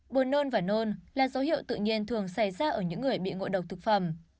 buồn nôn và nôn là dấu hiệu tự nhiên thường xảy ra ở những người bị ngộ độc thực phẩm